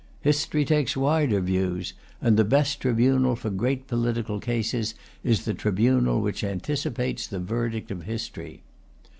History takes wider views; and the best tribunal for great political cases is the tribunal which anticipates the verdict of history.